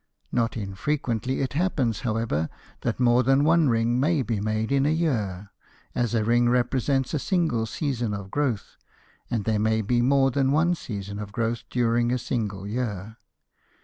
Not infrequently it happens, however, that more than one ring may be made in a year, as a ring represents a single season of growth, and there may be more than one season of growth during a single year.